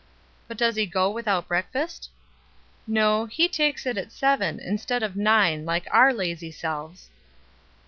"But does he go without breakfast?" "No takes it at seven, instead of nine, like our lazy selves."